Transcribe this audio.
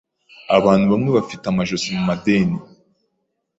Abantu bamwe bafite amajosi mu madeni.